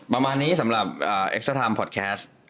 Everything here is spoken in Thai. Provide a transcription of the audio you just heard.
ประมาณนี้สำหรับเอ็กซาทามพอดแคสต์